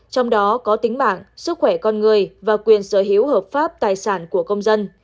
trong đó có tính mạng sức khỏe con người và quyền sở hữu hợp pháp tài sản của công dân